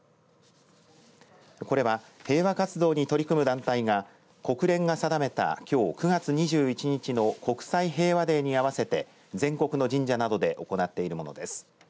これは平和活動に取り組む団体が国連が定めたきょう９月２１日の国際平和デーに合わせて全国の神社などで行っているものです。